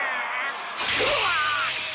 うわ！